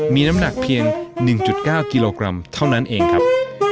มีน้ำหนักเพียง๑๙กิโลกรัมเท่านั้นเองครับ